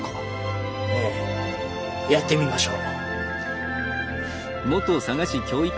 ええやってみましょう。